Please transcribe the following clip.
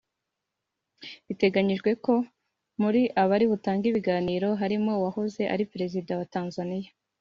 Biteganyijwe ko mu bari butange ibiganiro harimo uwahoze ari Perezida wa Tanzania